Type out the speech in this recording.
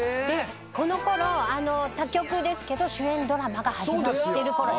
このころ他局ですけど主演ドラマが始まってるころです。